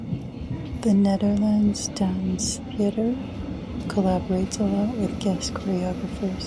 The Nederlands Dans Theater collaborates a lot with guest choreographers.